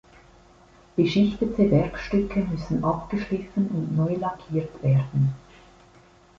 Beschichtete Werkstücke müssen abgeschliffen und neu lackiert werden.